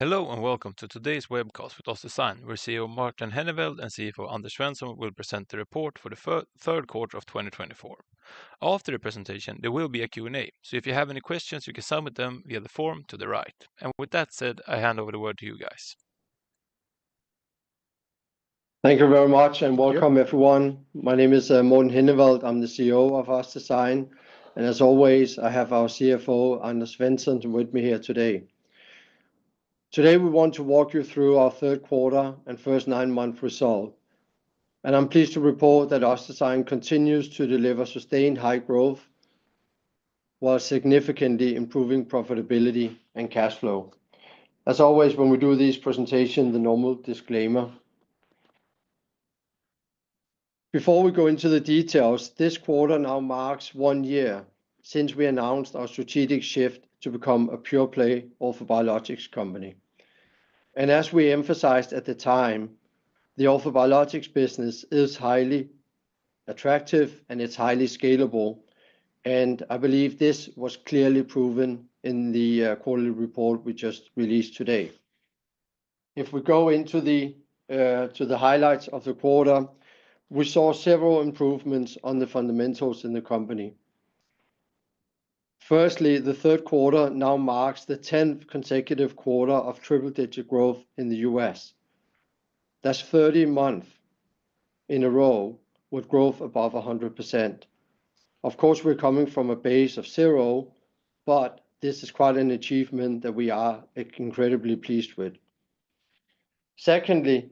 Hello and welcome to today's webcast with OssDsign, where CEO Morten Henneveld and CFO Anders Svensson will present the report for the third quarter of 2024. After the presentation, there will be a Q&A, so if you have any questions, you can submit them via the form to the right. And with that said, I hand over the word to you guys. Thank you very much, and welcome everyone. My name is Morten Henneveld. I'm the CEO of OssDsign, and as always, I have our CFO Anders Svensson with me here today. Today we want to walk you through our third quarter and first nine-month result, and I'm pleased to report that OssDsign continues to deliver sustained high growth while significantly improving profitability and cash flow. As always, when we do these presentations, the normal disclaimer. Before we go into the details, this quarter now marks one year since we announced our strategic shift to become a pure-play orthobiologics company, and as we emphasized at the time, the orthobiologics business is highly attractive and it's highly scalable, and I believe this was clearly proven in the quarterly report we just released today. If we go into the highlights of the quarter, we saw several improvements on the fundamentals in the company. Firstly, the third quarter now marks the 10th consecutive quarter of triple-digit growth in the U.S. That's 13 months in a row with growth above 100%. Of course, we're coming from a base of zero, but this is quite an achievement that we are incredibly pleased with. Secondly,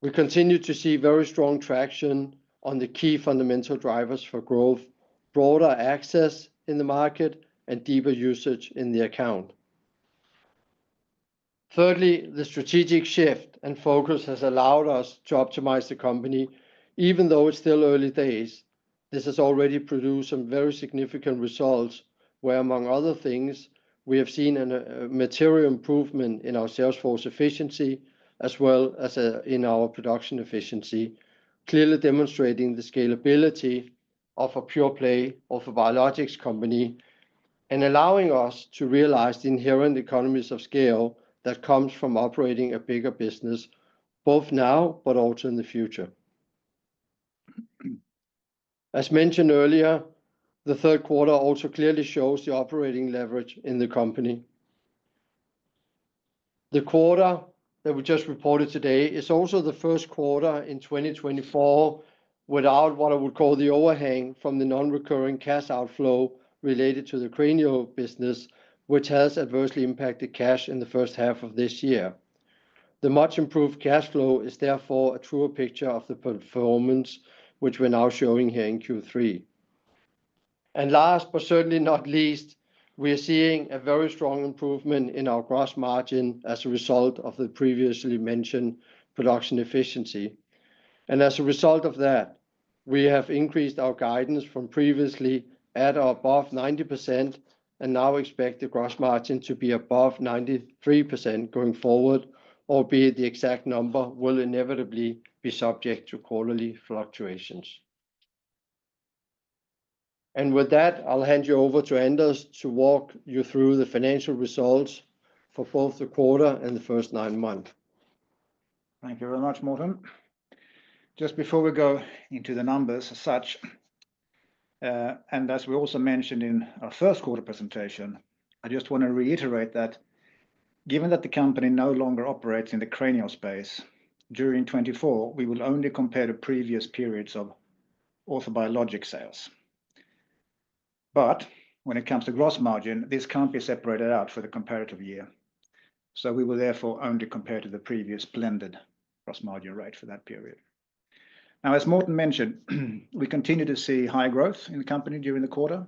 we continue to see very strong traction on the key fundamental drivers for growth, broader access in the market, and deeper usage in the account. Thirdly, the strategic shift and focus has allowed us to optimize the company. Even though it's still early days, this has already produced some very significant results, where among other things, we have seen a material improvement in our sales force efficiency as well as in our production efficiency, clearly demonstrating the scalability of a pure-play orthobiologics company and allowing us to realize the inherent economies of scale that come from operating a bigger business, both now but also in the future. As mentioned earlier, the third quarter also clearly shows the operating leverage in the company. The quarter that we just reported today is also the first quarter in 2024 without what I would call the overhang from the non-recurring cash outflow related to the cranial business, which has adversely impacted cash in the first half of this year. The much improved cash flow is therefore a truer picture of the performance, which we're now showing here in Q3. Last but certainly not least, we are seeing a very strong improvement in our gross margin as a result of the previously mentioned production efficiency. As a result of that, we have increased our guidance from previously at or above 90% and now expect the gross margin to be above 93% going forward, albeit the exact number will inevitably be subject to quarterly fluctuations. With that, I'll hand you over to Anders to walk you through the financial results for both the quarter and the first nine months. Thank you very much, Morten. Just before we go into the numbers as such, and as we also mentioned in our first quarter presentation, I just want to reiterate that given that the company no longer operates in the cranial space, during 2024, we will only compare to previous periods of orthobiologics sales. But when it comes to gross margin, this can't be separated out for the comparative year. So we will therefore only compare to the previous blended gross margin rate for that period. Now, as Morten mentioned, we continue to see high growth in the company during the quarter,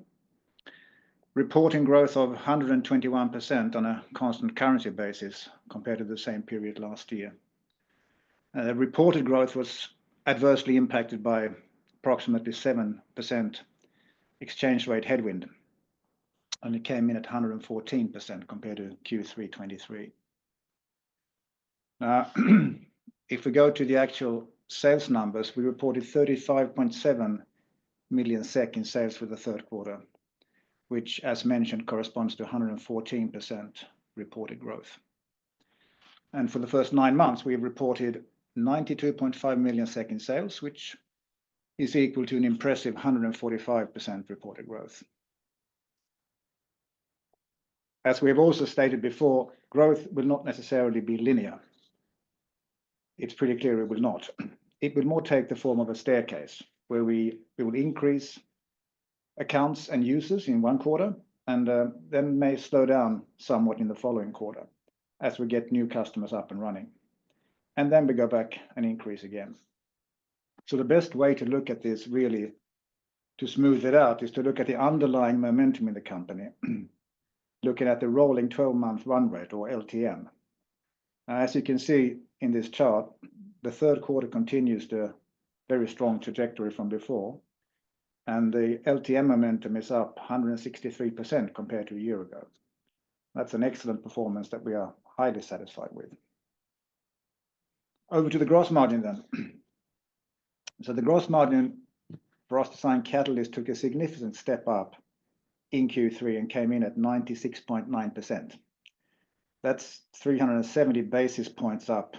reporting growth of 121% on a constant currency basis compared to the same period last year. The reported growth was adversely impacted by approximately 7% exchange rate headwind, and it came in at 114% compared to Q3 2023. Now, if we go to the actual sales numbers, we reported 35.7 million SEK sales for the third quarter, which, as mentioned, corresponds to 114% reported growth. And for the first nine months, we have reported 92.5 million sales, which is equal to an impressive 145% reported growth. As we have also stated before, growth will not necessarily be linear. It's pretty clear it will not. It will more take the form of a staircase where we will increase accounts and users in one quarter and then may slow down somewhat in the following quarter as we get new customers up and running. And then we go back and increase again. So the best way to look at this, really to smooth it out, is to look at the underlying momentum in the company, looking at the rolling 12-month run rate or LTM. As you can see in this chart, the third quarter continues the very strong trajectory from before, and the LTM momentum is up 163% compared to a year ago. That's an excellent performance that we are highly satisfied with. Over to the gross margin then. So the gross margin for OssDsign Catalyst took a significant step up in Q3 and came in at 96.9%. That's 370 basis points up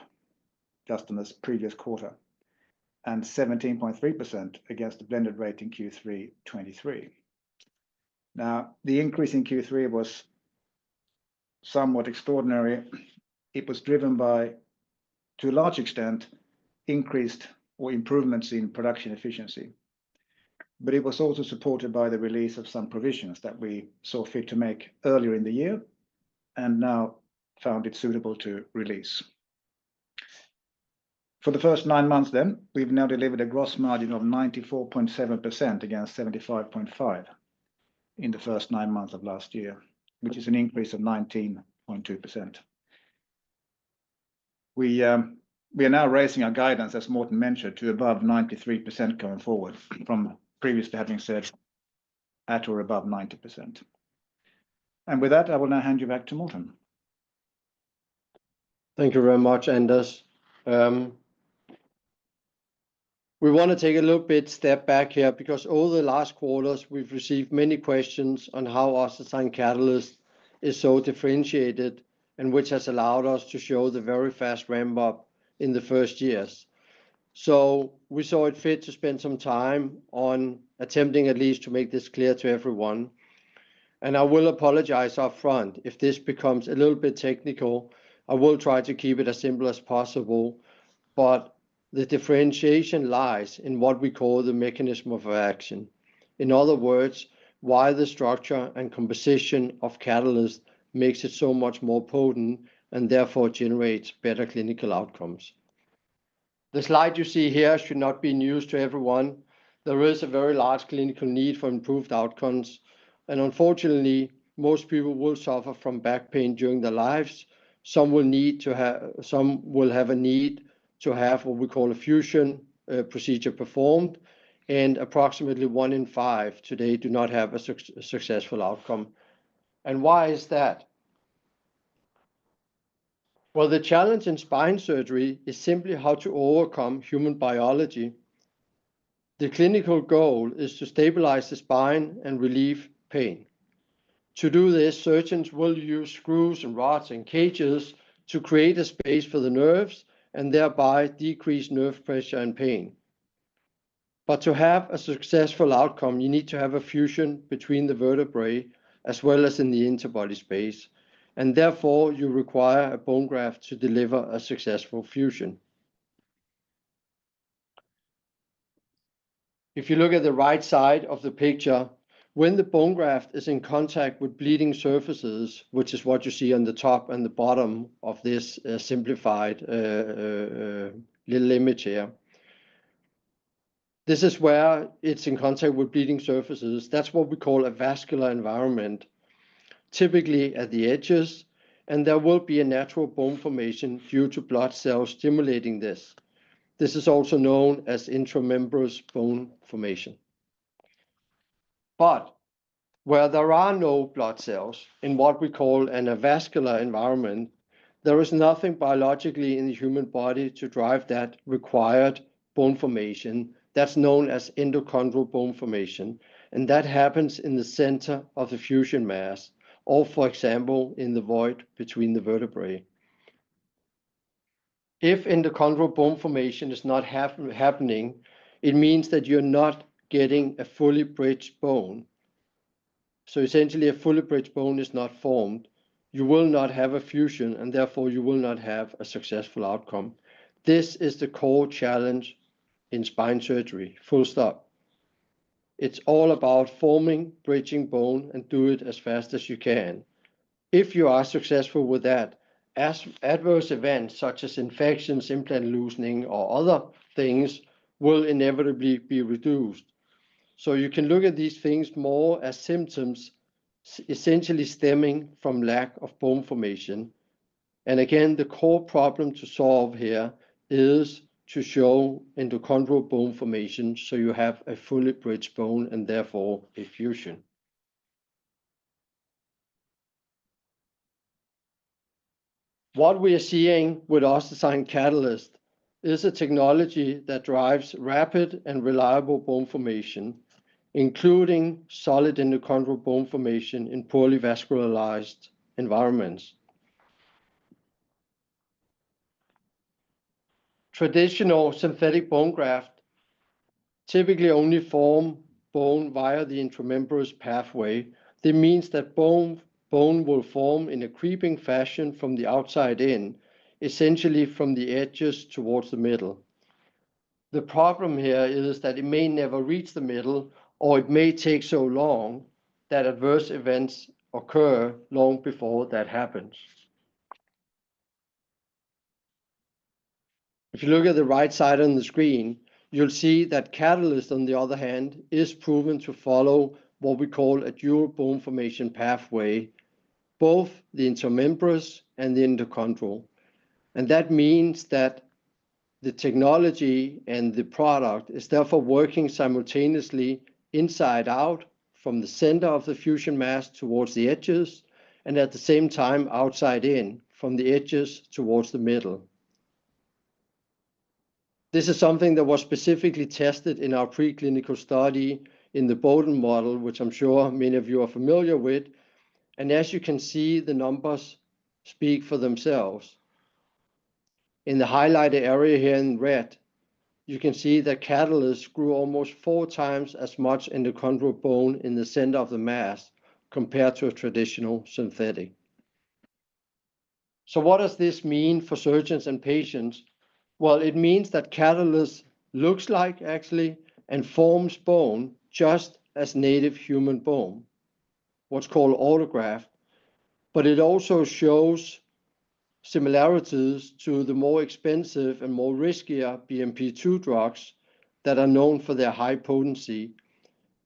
just in this previous quarter and 17.3% against the blended rate in Q3 2023. Now, the increase in Q3 was somewhat extraordinary. It was driven by, to a large extent, increased or improvements in production efficiency, but it was also supported by the release of some provisions that we saw fit to make earlier in the year and now found it suitable to release. For the first nine months then, we've now delivered a gross margin of 94.7% against 75.5% in the first nine months of last year, which is an increase of 19.2%. We are now raising our guidance, as Morten mentioned, to above 93% going forward from previously having said at or above 90%. And with that, I will now hand you back to Morten. Thank you very much, Anders. We want to take a little bit step back here because over the last quarters, we've received many questions on how OssDsign Catalyst is so differentiated and which has allowed us to show the very fast ramp-up in the first years. So we saw it fit to spend some time on attempting at least to make this clear to everyone. And I will apologize upfront. If this becomes a little bit technical, I will try to keep it as simple as possible. But the differentiation lies in what we call the mechanism of action. In other words, why the structure and composition of Catalyst makes it so much more potent and therefore generates better clinical outcomes. The slide you see here should not be news to everyone. There is a very large clinical need for improved outcomes. Unfortunately, most people will suffer from back pain during their lives. Some will have a need to have what we call a fusion procedure performed. Approximately one in five today do not have a successful outcome. Why is that? The challenge in spine surgery is simply how to overcome human biology. The clinical goal is to stabilize the spine and relieve pain. To do this, surgeons will use screws and rods and cages to create a space for the nerves and thereby decrease nerve pressure and pain. To have a successful outcome, you need to have a fusion between the vertebrae as well as in the interbody space. Therefore, you require a bone graft to deliver a successful fusion. If you look at the right side of the picture, when the bone graft is in contact with bleeding surfaces, which is what you see on the top and the bottom of this simplified little image here, this is where it's in contact with bleeding surfaces. That's what we call a vascular environment, typically at the edges, and there will be a natural bone formation due to blood cells stimulating this. This is also known as intramembranous bone formation. But where there are no blood cells in what we call an avascular environment, there is nothing biologically in the human body to drive that required bone formation that's known as endochondral bone formation. And that happens in the center of the fusion mass or, for example, in the void between the vertebrae. If endochondral bone formation is not happening, it means that you're not getting a fully bridged bone. So essentially, a fully bridged bone is not formed. You will not have a fusion, and therefore, you will not have a successful outcome. This is the core challenge in spine surgery full stop. It's all about forming bridging bone and doing it as fast as you can. If you are successful with that, adverse events such as infections, implant loosening, or other things will inevitably be reduced. So you can look at these things more as symptoms essentially stemming from lack of bone formation. And again, the core problem to solve here is to show endochondral bone formation so you have a fully bridged bone and therefore a fusion. What we are seeing with OssDsign Catalyst is a technology that drives rapid and reliable bone formation, including solid endochondral bone formation in poorly vascularized environments. Traditional synthetic bone graft typically only forms bone via the intramembranous pathway. That means that bone will form in a creeping fashion from the outside in, essentially from the edges towards the middle. The problem here is that it may never reach the middle, or it may take so long that adverse events occur long before that happens. If you look at the right side on the screen, you'll see that Catalyst, on the other hand, is proven to follow what we call a dual bone formation pathway, both the intramembranous and the endochondral. And that means that the technology and the product is therefore working simultaneously inside out from the center of the fusion mass towards the edges and at the same time outside in from the edges towards the middle. This is something that was specifically tested in our preclinical study in the Boden model, which I'm sure many of you are familiar with. As you can see, the numbers speak for themselves. In the highlighted area here in red, you can see that Catalyst grew almost four times as much endochondral bone in the center of the mass compared to a traditional synthetic. What does this mean for surgeons and patients? It means that Catalyst looks like actually and forms bone just as native human bone, what's called autograft. It also shows similarities to the more expensive and more riskier BMP2 drugs that are known for their high potency.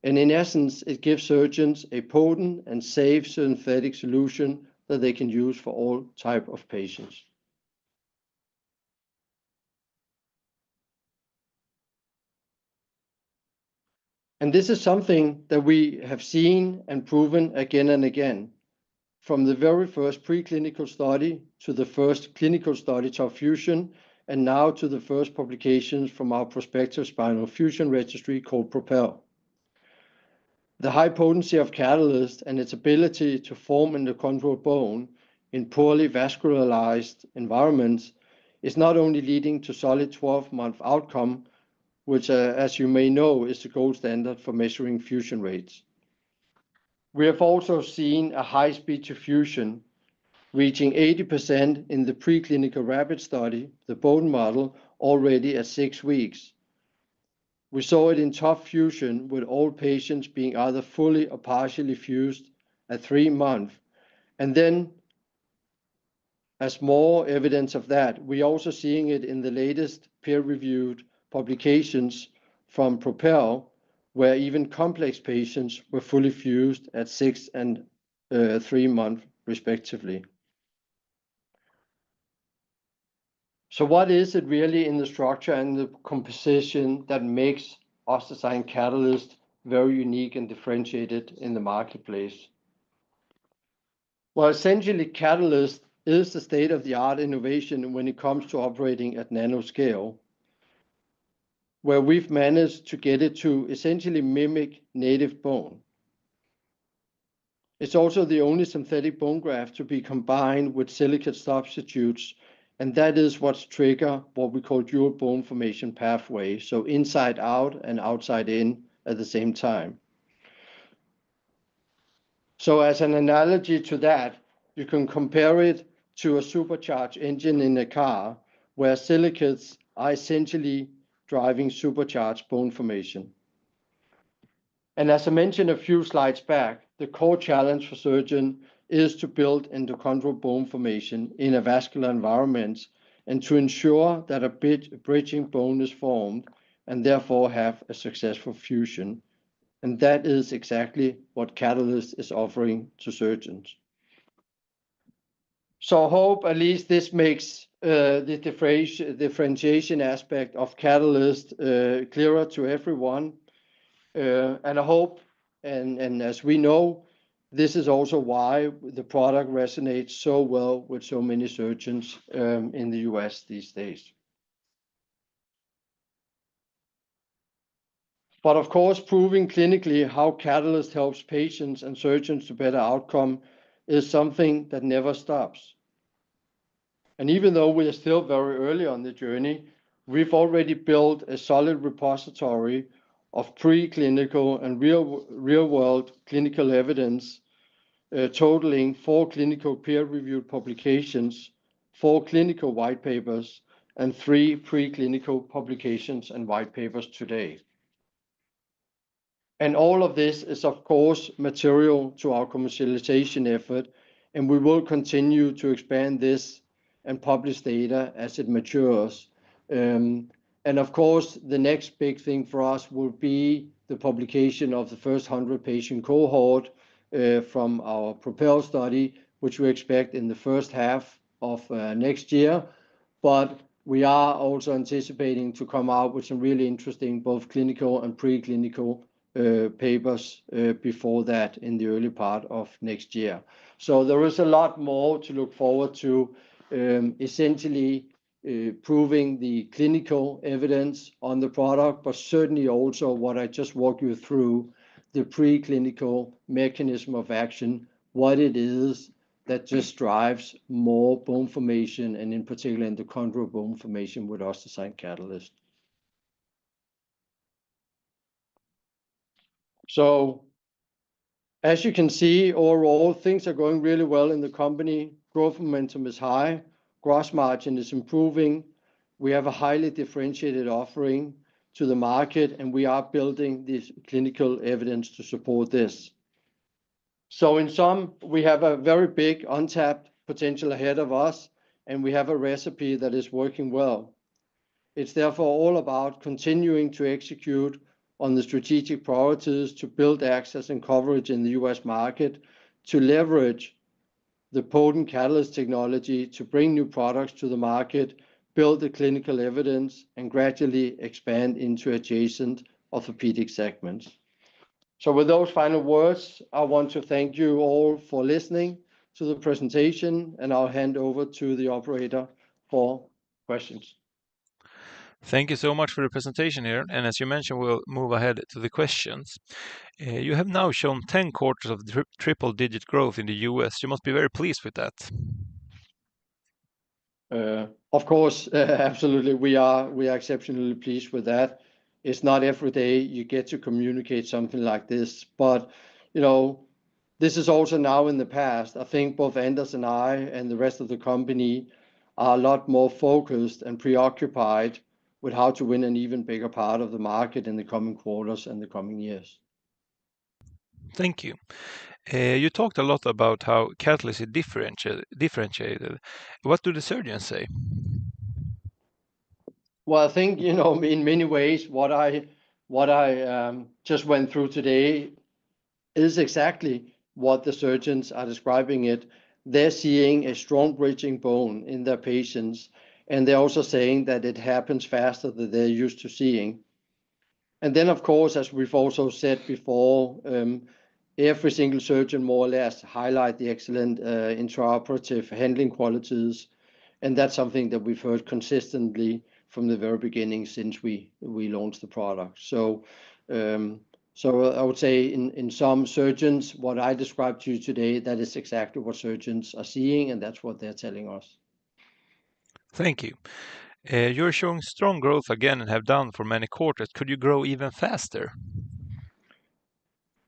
In essence, it gives surgeons a potent and safe synthetic solution that they can use for all types of patients. This is something that we have seen and proven again and again, from the very first preclinical study to the first clinical study to our TOP FUSION, and now to the first publications from our prospective spinal fusion registry called PROPEL. The high potency of Catalyst and its ability to form endochondral bone in poorly vascularized environments is not only leading to a solid 12-month outcome, which, as you may know, is the gold standard for measuring fusion rates. We have also seen a high speed to fusion reaching 80% in the preclinical rabbit study, the Boden model, already at six weeks. We saw it in TOP FUSION with all patients being either fully or partially fused at three months. And then, as more evidence of that, we are also seeing it in the latest peer-reviewed publications from PROPEL, where even complex patients were fully fused at six and three months, respectively. So what is it really in the structure and the composition that makes OssDsign Catalyst very unique and differentiated in the marketplace? Well, essentially, Catalyst is the state-of-the-art innovation when it comes to operating at nanoscale, where we've managed to get it to essentially mimic native bone. It's also the only synthetic bone graft to be combined with silicate substitutes. And that is what's triggered what we call dual bone formation pathway, so inside out and outside in at the same time. So as an analogy to that, you can compare it to a supercharged engine in a car, where silicates are essentially driving supercharged bone formation. And as I mentioned a few slides back, the core challenge for surgeons is to build endochondral bone formation in a vascular environment and to ensure that a bridging bone is formed and therefore have a successful fusion. And that is exactly what Catalyst is offering to surgeons. So I hope at least this makes the differentiation aspect of Catalyst clearer to everyone. And I hope, and as we know, this is also why the product resonates so well with so many surgeons in the U.S. these days. But of course, proving clinically how Catalyst helps patients and surgeons to better outcomes is something that never stops. And even though we are still very early on the journey, we've already built a solid repository of preclinical and real-world clinical evidence, totaling four clinical peer-reviewed publications, four clinical white papers, and three preclinical publications and white papers today. And all of this is, of course, material to our commercialization effort. And we will continue to expand this and publish data as it matures. And of course, the next big thing for us will be the publication of the first 100-patient cohort from our PROPEL study, which we expect in the first half of next year. But we are also anticipating to come out with some really interesting both clinical and preclinical papers before that in the early part of next year. So there is a lot more to look forward to, essentially proving the clinical evidence on the product, but certainly also what I just walked you through, the preclinical mechanism of action, what it is that just drives more bone formation, and in particular, endochondral bone formation with OssDsign Catalyst. So as you can see, overall, things are going really well in the company. Growth momentum is high. Gross margin is improving. We have a highly differentiated offering to the market, and we are building this clinical evidence to support this. So in sum, we have a very big untapped potential ahead of us, and we have a recipe that is working well. It's therefore all about continuing to execute on the strategic priorities to build access and coverage in the U.S. market, to leverage the potent Catalyst technology to bring new products to the market, build the clinical evidence, and gradually expand into adjacent orthopedic segments. So with those final words, I want to thank you all for listening to the presentation, and I'll hand over to the operator for questions. Thank you so much for the presentation here. And as you mentioned, we'll move ahead to the questions. You have now shown 10 quarters of triple-digit growth in the U.S. You must be very pleased with that. Of course, absolutely. We are exceptionally pleased with that. It's not every day you get to communicate something like this. But this is also now in the past. I think both Anders and I and the rest of the company are a lot more focused and preoccupied with how to win an even bigger part of the market in the coming quarters and the coming years. Thank you. You talked a lot about how Catalyst is differentiated. What do the surgeons say? Well, I think in many ways, what I just went through today is exactly what the surgeons are describing it. They're seeing a strong bridging bone in their patients, and they're also saying that it happens faster than they're used to seeing. Then, of course, as we've also said before, every single surgeon more or less highlights the excellent intraoperative handling qualities. And that's something that we've heard consistently from the very beginning since we launched the product. So I would say in some surgeons, what I described to you today, that is exactly what surgeons are seeing, and that's what they're telling us. Thank you. You're showing strong growth again and have done for many quarters. Could you grow even faster?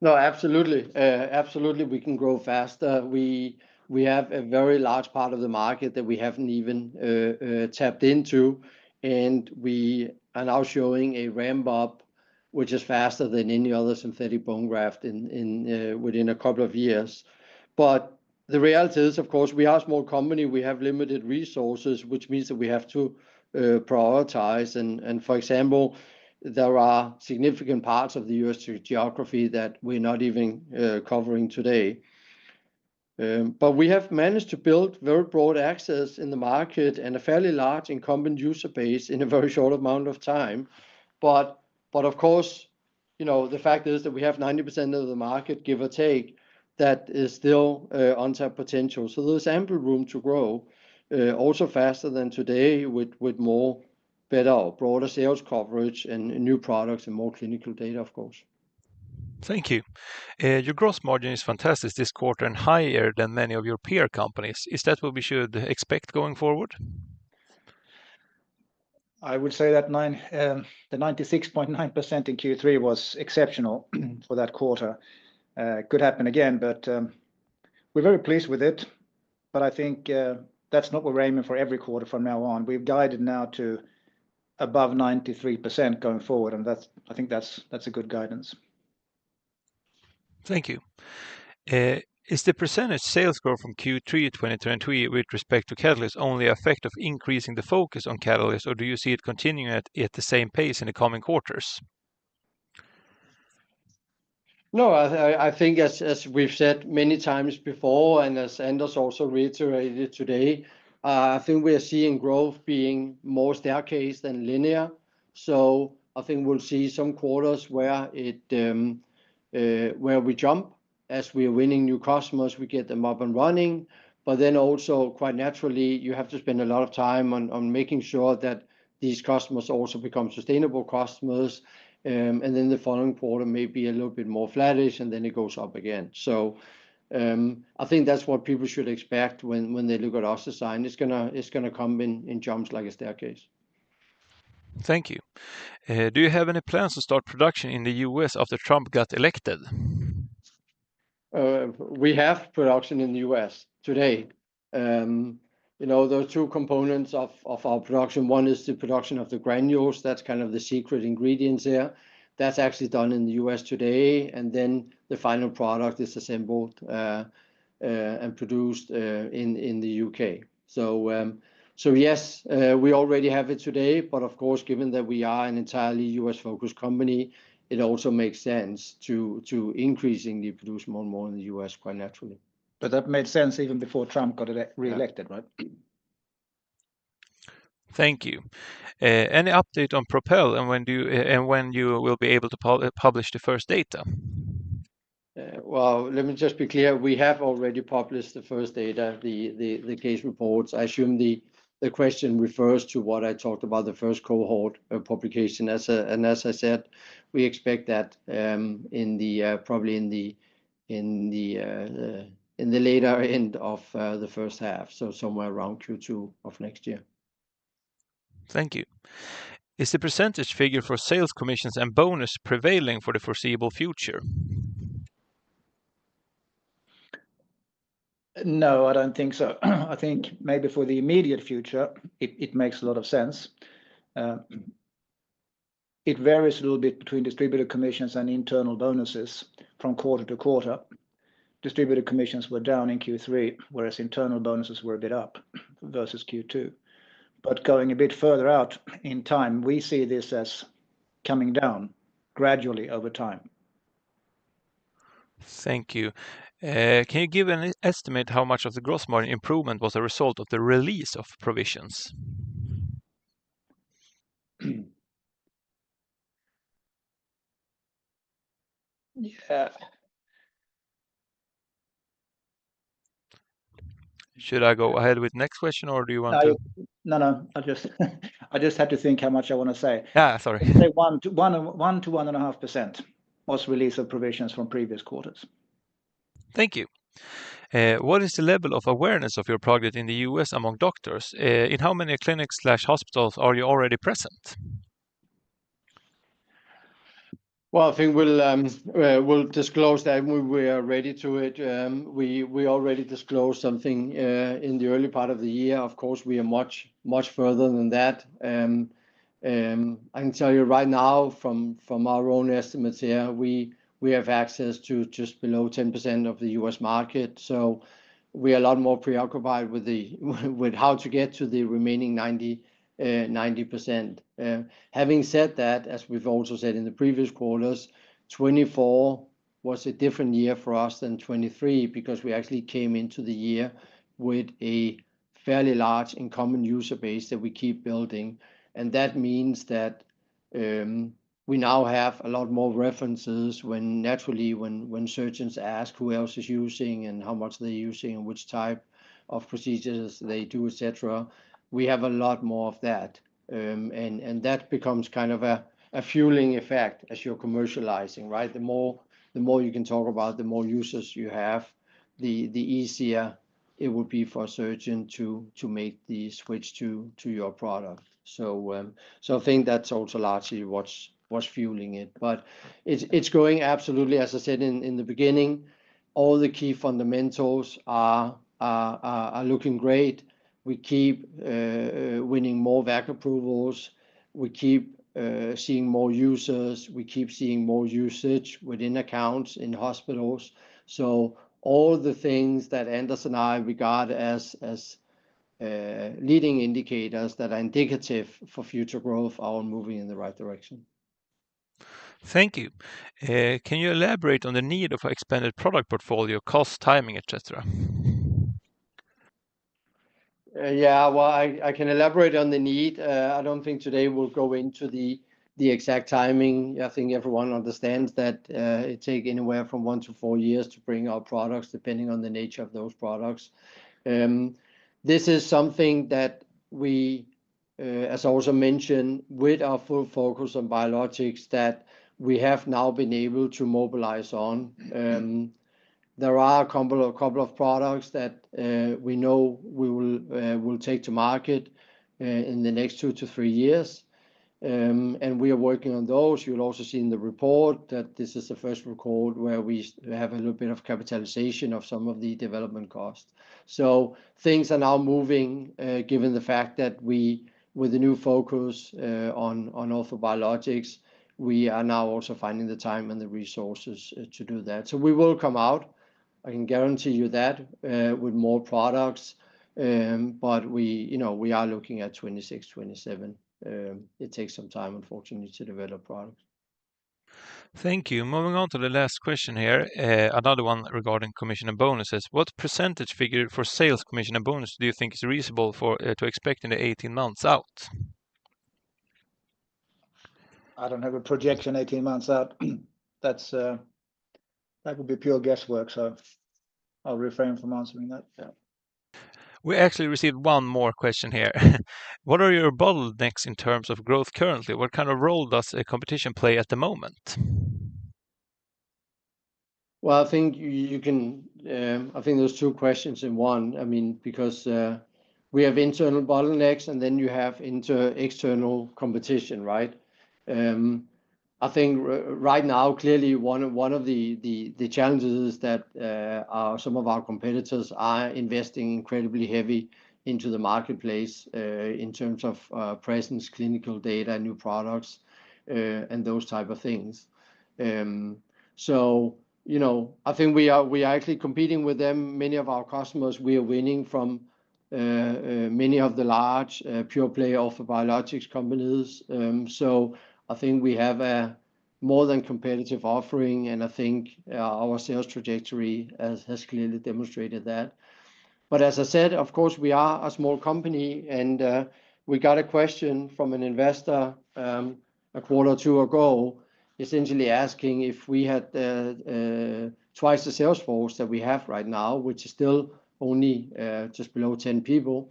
No, absolutely. Absolutely, we can grow faster. We have a very large part of the market that we haven't even tapped into. And we are now showing a ramp-up, which is faster than any other synthetic bone graft within a couple of years. But the reality is, of course, we are a small company. We have limited resources, which means that we have to prioritize. For example, there are significant parts of the U.S. geography that we're not even covering today. We have managed to build very broad access in the market and a fairly large incumbent user base in a very short amount of time. Of course, the fact is that we have 90% of the market, give or take, that is still untapped potential. There's ample room to grow, also faster than today with more better or broader sales coverage and new products and more clinical data, of course. Thank you. Your gross margin is fantastic this quarter and higher than many of your peer companies. Is that what we should expect going forward? I would say that the 96.9% in Q3 was exceptional for that quarter. Could happen again, but we're very pleased with it. But I think that's not what we're aiming for every quarter from now on. We've guided now to above 93% going forward. And I think that's a good guidance. Thank you. Is the percentage sales growth from Q3 2023 with respect to Catalyst only a fact of increasing the focus on Catalyst, or do you see it continuing at the same pace in the coming quarters? No, I think as we've said many times before, and as Anders also reiterated today, I think we are seeing growth being more staircased than linear. So I think we'll see some quarters where we jump as we are winning new customers, we get them up and running. But then also, quite naturally, you have to spend a lot of time on making sure that these customers also become sustainable customers. Then the following quarter may be a little bit more flattish, and then it goes up again. So I think that's what people should expect when they look at OssDsign. It's going to come in jumps like a staircase. Thank you. Do you have any plans to start production in the U.S. after Trump got elected? We have production in the U.S. today. Those two components of our production, one is the production of the granules. That's kind of the secret ingredients there. That's actually done in the U.S. today. And then the final product is assembled and produced in the U.K. So yes, we already have it today. But of course, given that we are an entirely U.S.-focused company, it also makes sense to increasingly produce more and more in the U.S. quite naturally. But that made sense even before Trump got reelected, right? Thank you. Any update on PROPEL and when you will be able to publish the first data? Let me just be clear. We have already published the first data, the case reports. I assume the question refers to what I talked about, the first cohort publication, and as I said, we expect that probably in the later end of the first half, so somewhere around Q2 of next year. Thank you. Is the percentage figure for sales commissions and bonus prevailing for the foreseeable future? No, I don't think so. I think maybe for the immediate future, it makes a lot of sense. It varies a little bit between distributed commissions and internal bonuses from quarter to quarter. Distributed commissions were down in Q3, whereas internal bonuses were a bit up versus Q2, but going a bit further out in time, we see this as coming down gradually over time. Thank you. Can you give an estimate how much of the gross margin improvement was a result of the release of provisions? Yeah. Should I go ahead with the next question, or do you want to? No, no. I just had to think how much I want to say. Yeah, sorry. 1%-1.5% was release of provisions from previous quarters. Thank you. What is the level of awareness of your project in the U.S. among doctors? In how many clinics/hospitals are you already present? Well, I think we'll disclose that we are ready to it. We already disclosed something in the early part of the year. Of course, we are much further than that. I can tell you right now, from our own estimates here, we have access to just below 10% of the U.S. market. So we are a lot more preoccupied with how to get to the remaining 90%. Having said that, as we've also said in the previous quarters, 2024 was a different year for us than 2023 because we actually came into the year with a fairly large incumbent user base that we keep building. And that means that we now have a lot more references when naturally, when surgeons ask who else is using and how much they're using and which type of procedures they do, et cetera, we have a lot more of that. And that becomes kind of a fueling effect as you're commercializing, right? The more you can talk about, the more users you have, the easier it will be for a surgeon to make the switch to your product. So I think that's also largely what's fueling it. But it's going absolutely, as I said in the beginning, all the key fundamentals are looking great. We keep winning more VAC approvals. We keep seeing more users. We keep seeing more usage within accounts in hospitals. So all the things that Anders and I regard as leading indicators that are indicative for future growth are moving in the right direction. Thank you. Can you elaborate on the need of an expanded product portfolio, cost, timing, et cetera? Yeah, well, I can elaborate on the need. I don't think today we'll go into the exact timing. I think everyone understands that it takes anywhere from one to four years to bring our products, depending on the nature of those products. This is something that we, as I also mentioned, with our full focus on biologics, that we have now been able to mobilize on. There are a couple of products that we know we will take to market in the next two to three years, and we are working on those. You'll also see in the report that this is the first record where we have a little bit of capitalization of some of the development costs, so things are now moving given the fact that we, with the new focus on orthobiologics, we are now also finding the time and the resources to do that, so we will come out, I can guarantee you that, with more products, but we are looking at 2026, 2027. It takes some time, unfortunately, to develop products. Thank you. Moving on to the last question here, another one regarding commission and bonuses. What percentage figure for sales commission and bonus do you think is reasonable to expect in the 18 months out? I don't have a projection 18 months out. That would be pure guesswork, so I'll refrain from answering that. We actually received one more question here. What are your bottlenecks in terms of growth currently? What kind of role does a competition play at the moment? I think you can I think there's two questions in one. I mean, because we have internal bottlenecks, and then you have internal competition, right? I think right now, clearly, one of the challenges is that some of our competitors are investing incredibly heavy into the marketplace in terms of presence, clinical data, new products, and those type of things. So I think we are actually competing with them. Many of our customers, we are winning from many of the large pure-play orthobiologics companies. So I think we have a more than competitive offering. I think our sales trajectory has clearly demonstrated that. But as I said, of course, we are a small company. We got a question from an investor a quarter or two ago essentially asking if we had twice the sales force that we have right now, which is still only just below 10 people.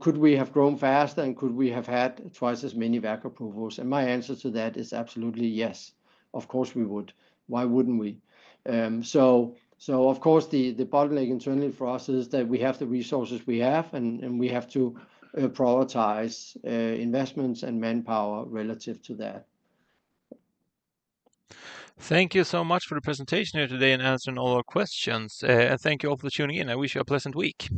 Could we have grown faster, and could we have had twice as many VAC approvals? My answer to that is absolutely yes. Of course, we would. Why wouldn't we? So of course, the bottleneck internally for us is that we have the resources we have, and we have to prioritize investments and manpower relative to that. Thank you so much for the presentation here today and answering all our questions. Thank you all for tuning in. I wish you a pleasant week.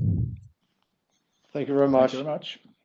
Thank you very much. Thank you so much.